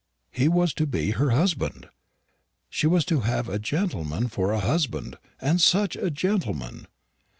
He was to be her husband! She was to have a gentleman for a husband; and such a gentleman!